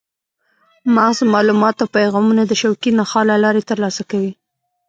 مغز معلومات او پیغامونه د شوکي نخاع له لارې ترلاسه کوي.